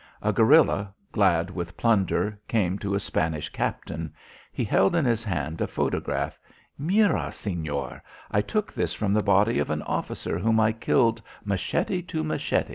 A guerilla, glad with plunder, came to a Spanish captain. He held in his hand a photograph. "Mira, señor. I took this from the body of an officer whom I killed machete to machete."